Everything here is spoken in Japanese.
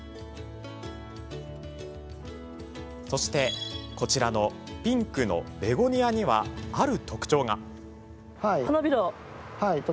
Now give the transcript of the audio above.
そして、こちらのピンクのベゴニアにはある特徴が。